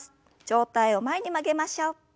上体を前に曲げましょう。